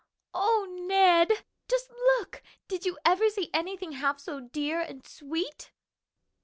"O Ned, just look! did you ever see anything half so dear and sweet?"